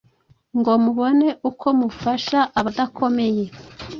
ngo mubone uko mufasha abadakomeye,